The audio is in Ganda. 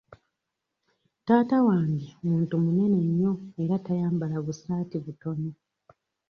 Taata wange muntu munene nnyo era tayambala busaati butono.